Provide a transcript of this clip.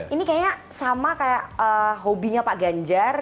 ini kayaknya sama kayak hobinya pak ganjar